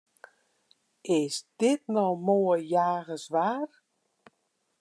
Is dit no moai jagerswaar?